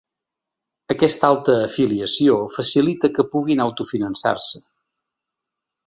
Aquesta alta afiliació facilita que puguin autofinançar-se.